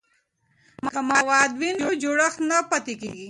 که مواد وي نو جوړښت نه پاتیږي.